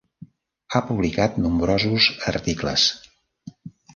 Ha publicat nombrosos articles.